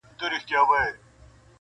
هر څوک يې د خپلې پوهې له مخې تفسيروي-